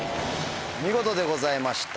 見事でございました。